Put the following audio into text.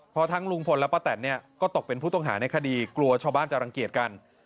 เพราะทั้งลุงพลและป้าแตนเนี่ยก็ตกเป็นผู้ต้องหาในคดีกลัวชาวบ้านจะรังเกียจกัน